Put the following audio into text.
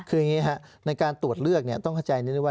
คืออย่างนี้ครับในการตรวจเลือกต้องเข้าใจนิดนึงว่า